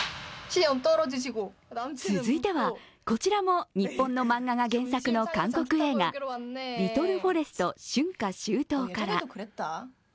続いては、こちらも日本の漫画が原作の韓国映画、「リトル・フォレスト春夏秋冬」から。